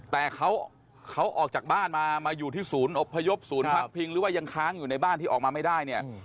แต่เขาออกจากบ้านมามาอยู่ที่ศูนย์อบพยพศูนย์พักพิงหรือว่ายังค้างอยู่ในบ้านที่ออกมาไม่ได้เนี่ย